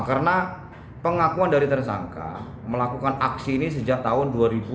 karena pengakuan dari tersangka melakukan aksi ini sejak tahun dua ribu dua puluh